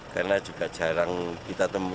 karena juga jarang kita temui